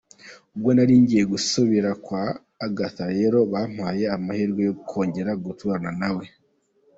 Ubwo nari ngiye kusubira kuba kwa Agatha rero byampaye amahirwe yo kongera guturana nawe.